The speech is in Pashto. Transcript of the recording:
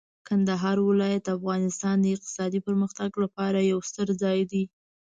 کندهار ولایت د افغانستان د اقتصادي پرمختګ لپاره یو ستر ځای دی.